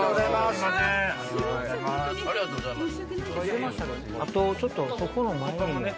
ありがとうございます。